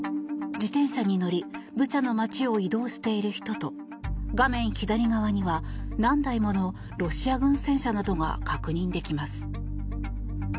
自転車に乗りブチャの街を移動している人と画面左側には何台ものロシア軍戦車などが確認できます。